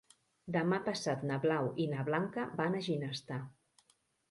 Demà passat na Blau i na Blanca van a Ginestar.